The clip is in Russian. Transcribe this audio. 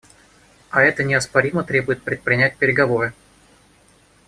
А это неоспоримо требует предпринять переговоры.